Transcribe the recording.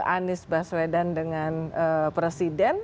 anies baswedan dengan presiden